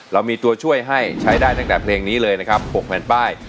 เรามีตัวช่วยให้ใช้ได้ตั้งแต่เพลงนี้เลยนะครับ๖แผ่นป้าย